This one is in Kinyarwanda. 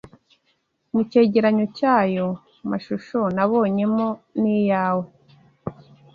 mu cyegeranyo cyayo mashusho nabonyemo n’ iyawe